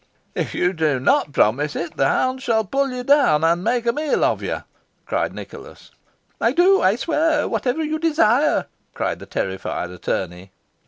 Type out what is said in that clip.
"If you do not promise it, the hounds shall pull you down, and make a meal of you!" cried Nicholas. "I do I swear whatever you desire!" cried the terrified attorney.